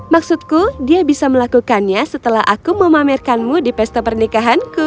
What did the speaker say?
maksudku dia bisa melakukannya setelah aku memamerkanmu di pesta pernikahanku